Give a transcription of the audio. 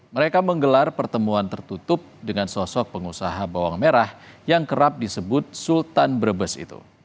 mereka menggelar pertemuan tertutup dengan sosok pengusaha bawang merah yang kerap disebut sultan brebes itu